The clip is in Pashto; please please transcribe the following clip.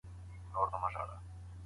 زموږ کور کي ګاڼه نسته .